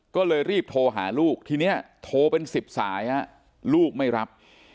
ก็เลยรีบโทรหาลูกทีนี้โทรเป็น๑๐สายลูกไม่รับ